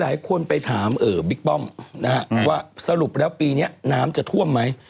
หลายคนไปถามบิ๊กป้อมนะฮะว่าสรุปแล้วปีนี้น้ำจะท่วมไหม